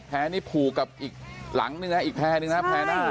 นี่ผูกกับอีกหลังนึงนะอีกแพรหนึ่งนะแพร่หน้า